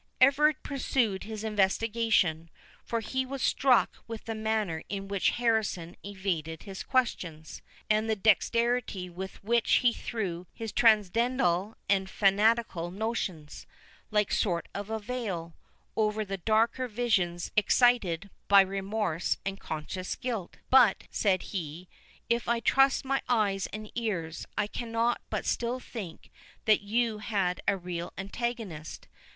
Everard pursued his investigation; for he was struck with the manner in which Harrison evaded his questions, and the dexterity with which he threw his transcendental and fanatical notions, like a sort of veil, over the darker visions excited by remorse and conscious guilt. "But," said he, "if I may trust my eyes and ears, I cannot but still think that you had a real antagonist.